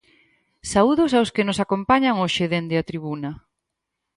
Saúdos aos que nos acompañan hoxe dende a tribuna.